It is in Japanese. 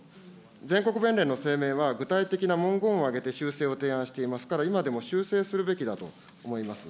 全国弁連の声明は、具体的な文言を挙げて修正を提案していますから、今でも修正するべきだと思います。